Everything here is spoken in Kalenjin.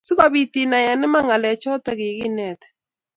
Si kobiit inai eng' iman, ng'alechato kiginetin.